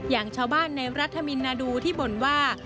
อย่างชาวบ้านในรัฐมินนาดูที่บ่นว่า